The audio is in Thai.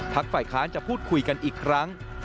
ฝ่ายค้านจะพูดคุยกันอีกครั้ง